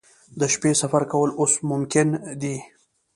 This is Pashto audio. د شپې سفر کول اوس ممکن دي